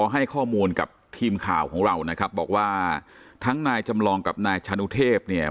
ให้ข้อมูลกับทีมข่าวของเรานะครับบอกว่าทั้งนายจำลองกับนายชานุเทพเนี่ย